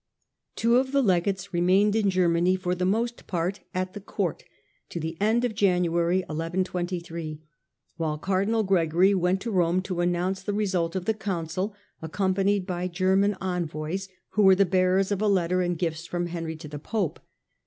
Two of the legates remained in Germany, for the most part at the court, to the end of January (1123), while cardinal Gregory went to Rome to announce the result of the council, accompanied by German envoys, who were the bearers of a letter and gifts from Henry to the pope.